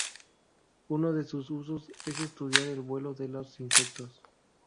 Uno de sus usos es estudiar el vuelo de los insectos.